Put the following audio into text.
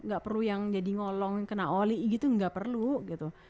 gak perlu yang jadi ngolong kena oli gitu gak perlu gitu